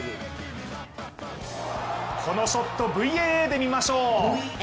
このショット、ＶＡＡで見ましょう。